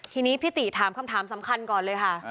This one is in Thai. ทีนี้พี่ติถามคำถามสำคัญก่อนเลยค่ะ